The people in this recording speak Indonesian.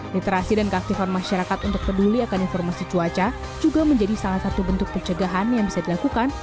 literasi dan keaktifan masyarakat untuk peduli akan informasi cuaca juga menjadi salah satu bentuk pencegahan yang bisa dilakukan